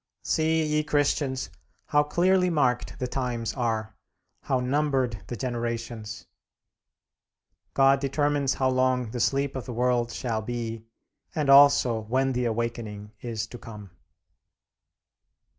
See, ye Christians, how clearly marked the times are, how numbered the generations: God determines how long the sleep of the world shall be, and also when the awakening is to come.